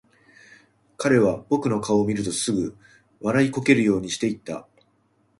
彼は僕の顔を見るとすぐ、笑いこけるようにして言った。